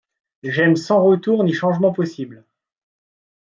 J’aime sans retour ni changement possible.